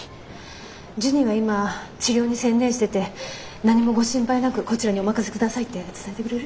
ジュニは今治療に専念してて何もご心配なくこちらにお任せ下さいって伝えてくれる？